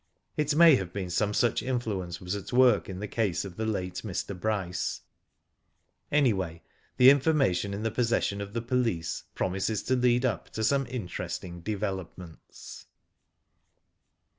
It may have been some such influence was at work in the case of the late Mr. Bryce. Anyway, the information in the possession of the police promises to lead up to pome interesting developments."